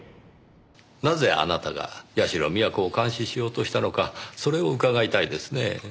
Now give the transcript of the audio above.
なぜあなたが社美彌子を監視しようとしたのかそれを伺いたいですねぇ。